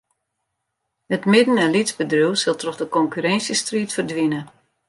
It midden- en lytsbedriuw sil troch de konkurrinsjestriid ferdwine.